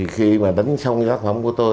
khi mà đánh xong tác phẩm của tôi